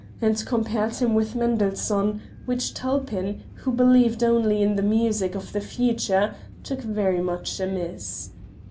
and compared him with Mendelssohn, which Tulpin, who believed only in the music of the future, took very much amiss.